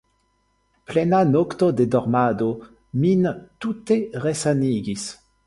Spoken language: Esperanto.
Plena nokto de dormado min tute resanigis.